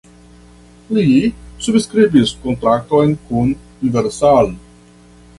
Li subskribis kontrakton kun Universal.